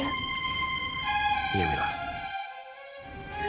siap untuk melindungi kamu dari edo mila